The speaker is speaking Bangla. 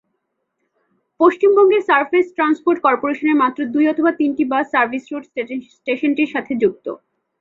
পশ্চিমবঙ্গের সারফেস ট্রান্সপোর্ট কর্পোরেশনের মাত্র দুই অথবা তিনটি বাস সার্ভিস রুট স্টেশনটির সাথে যুক্ত।